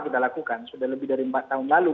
kita lakukan sudah lebih dari empat tahun lalu